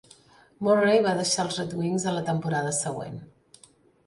Murray va deixar els Red Wings a la temporada següent.